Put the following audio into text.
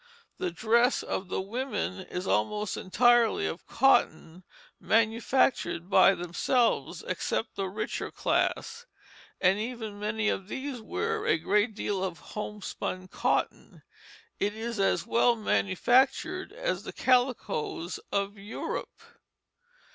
The dress of the women is almost entirely of cotton, manufactured by themselves, except the richer class, and even many of these wear a great deal of homespun cotton. It is as well manufactured as the calicoes of Europe."